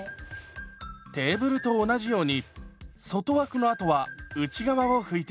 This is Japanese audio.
テーブルと同じように外枠のあとは内側を拭いていきます。